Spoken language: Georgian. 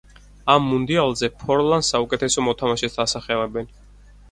ამ მუნდიალზე ფორლანს საუკეთესო მოთამაშედ ასახელებენ.